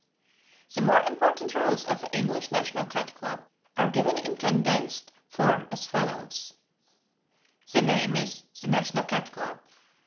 The more important rules of the English National Cat Club are given in condensed form as follows: The name is "The National Cat Club."